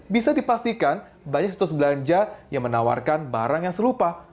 bisa dipastikan banyak situs belanja yang menawarkan barang yang serupa